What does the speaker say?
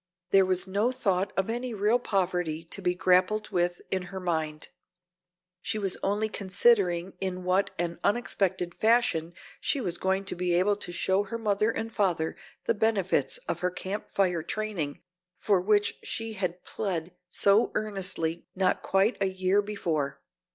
There was no thought of any real poverty to be grappled with in her mind. She was only considering in what an unexpected fashion she was going to be able to show to her mother and father the benefits of her Camp Fire training, for which she had plead so earnestly not quite a year before.